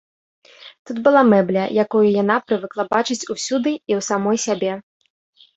Тут была мэбля, якую яна прывыкла бачыць усюды і ў самой сябе.